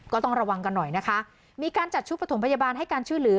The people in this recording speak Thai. ก็ต้องระวังกันหน่อยนะคะมีการจัดชุดประถมพยาบาลให้การช่วยเหลือ